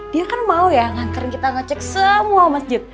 dia kan mau ya ngantarin kita ngecek semua masjid